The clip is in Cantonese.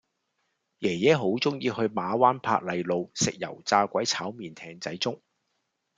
爺爺好鍾意去馬灣珀麗路食油炸鬼炒麵艇仔粥